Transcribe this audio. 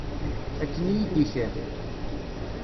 Akken i yi-d-ikad.